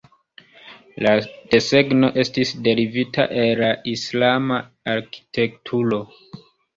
La desegno estis derivita el la Islama arkitekturo.